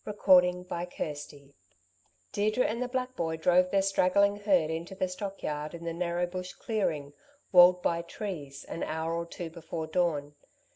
CHAPTER XXXVII Deirdre and the black boy drove their straggling herd into the stockyard in the narrow bush clearing, walled by trees, an hour or two before dawn.